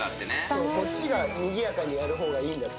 そう、こっちがにぎやかにやるほうがいいんだって。